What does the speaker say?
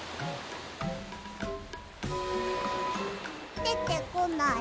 でてこない。